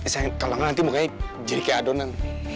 saya ingin tolong nanti bukannya jadi kayak adonan